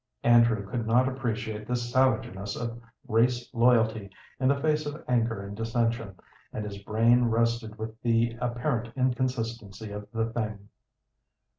Andrew could not appreciate this savageness of race loyalty in the face of anger and dissension, and his brain reeled with the apparent inconsistency of the thing.